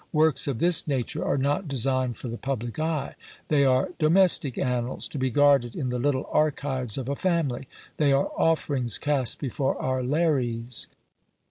Works of this nature are not designed for the public eye; they are domestic annals, to be guarded in the little archives of a family; they are offerings cast before our Lares.